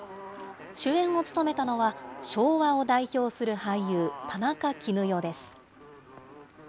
主演を務めたのは、昭和を代表する俳優、田中絹代です。